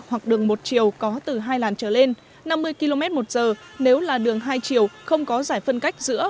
hoặc đường một chiều có từ hai làn trở lên năm mươi km một giờ nếu là đường hai chiều không có giải phân cách giữa